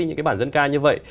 những cái bản dân ca như vậy